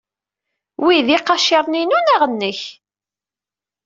Wi d iqaciren-inu neɣ nnek?